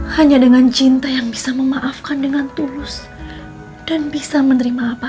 hanya dengan cinta yang bisa memaafkan dengan tulus dan bisa menerima apa